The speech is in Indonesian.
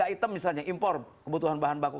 lima puluh tiga item misalnya impor kebutuhan bahan baku